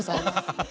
ハハハ